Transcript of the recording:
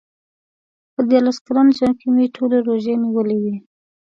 په دیارلس کلن ژوند کې مې ټولې روژې نیولې وې.